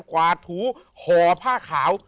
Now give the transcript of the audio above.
กวาดถูห่อผ้าขาว